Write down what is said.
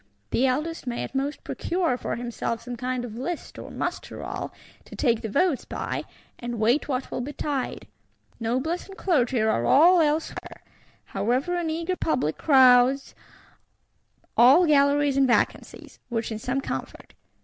The Eldest may at most procure for himself some kind of List or Muster roll, to take the votes by, and wait what will betide. Noblesse and Clergy are all elsewhere: however, an eager public crowds all galleries and vacancies; which is some comfort.